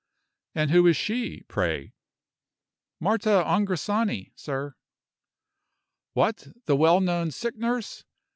"And who is she, pray?" "Marta Angrisani, sir." "What! the well known sick nurse?